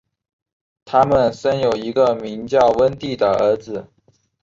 他们生有一个名叫温蒂的儿子。